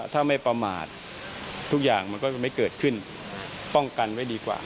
ถ้าไม่ประมาททุกอย่างมันก็จะไม่เกิดขึ้นป้องกันไว้ดีกว่า